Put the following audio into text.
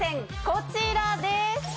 こちらです！